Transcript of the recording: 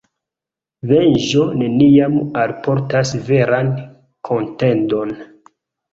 Venĝo neniam alportas veran kontenton.